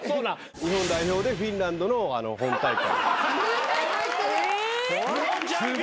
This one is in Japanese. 日本代表でフィンランドの本大会。